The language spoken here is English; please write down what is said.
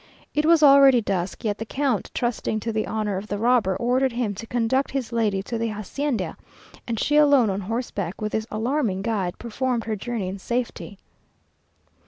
It was already dusk, yet the count, trusting to the honour of the robber, ordered him to conduct his lady to the hacienda; and she alone, on horseback, with this alarming guide, performed her journey in safety.